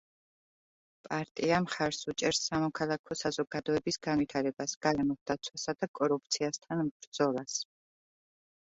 პარტია მხარს უჭერს სამოქალაქო საზოგადოების განვითარებას, გარემოს დაცვასა და კორუფციასთან ბრძოლას.